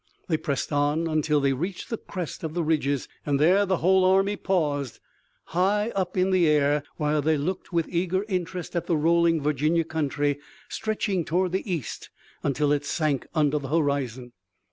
They pressed on until they reached the crest of the ridges and there the whole army paused, high up in the air, while they looked with eager interest at the rolling Virginia country stretching toward the east until it sank under the horizon.